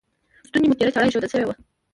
پر ستوني مو تیره چاړه ایښودل شوې وه.